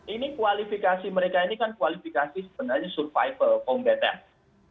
ini kualifikasi mereka ini kan kualifikasi sebenarnya survival combatence